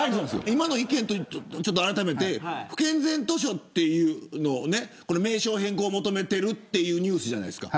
今の意見をあらためて不健全図書というのは名称変更を求めているというニュースじゃないですか。